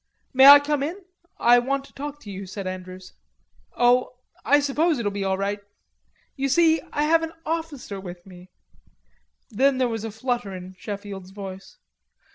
"May I come in? I want to talk to you," said Andrews. "Oh, I suppose it'll be all right.... You see I have an officer with me..." then there was a flutter in Sheffield's voice.